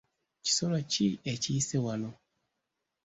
Kisolo ki ekiyise wano?